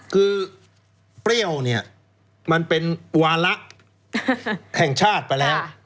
คือเปรี้ยวเนี่ยมันเป็นวาระแห่งชาติไปแล้ว